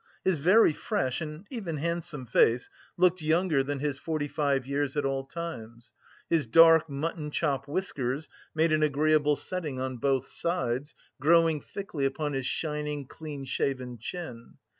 His very fresh and even handsome face looked younger than his forty five years at all times. His dark, mutton chop whiskers made an agreeable setting on both sides, growing thickly upon his shining, clean shaven chin.